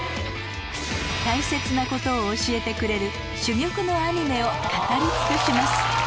大切なことを教えてくれる珠玉のアニメを語り尽くします